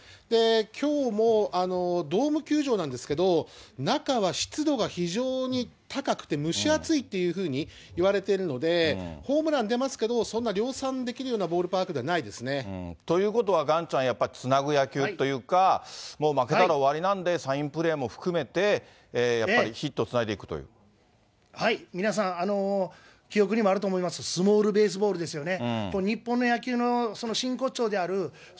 きょうも、ドーム球場なんですけど、中は湿度が非常に高くて蒸し暑いっていうふうにいわれているので、ホームラン出ますけど、そんな量産できるようなローンデポ・パークではないですね。ということは岩ちゃん、やっぱりつなぐ野球というか、もう、負けたら終わりなんで、サインプレーも含めて、やっぱりヒットを皆さん、記憶にもあると思います、スモールベースボールですよね。